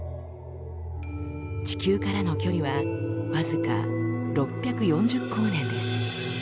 地球からの距離は僅か６４０光年です。